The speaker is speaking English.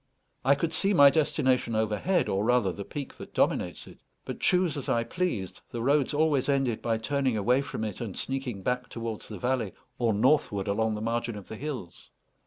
I could see my destination overhead, or rather the peak that dominates it, but choose as I pleased, the roads always ended by turning away from it, and sneaking back towards the valley, or northward along the margin of the hills.